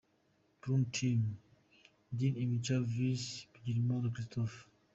Burundi Team: Din Imtiaz& Bigirimana Christophe.